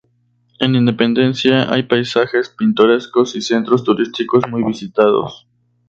En Independencia hay paisajes pintorescos y centros turísticos muy visitados.